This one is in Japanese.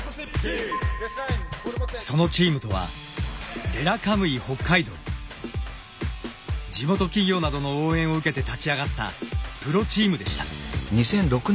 そのチームとは地元企業などの応援を受けて立ち上がったプロチームでした。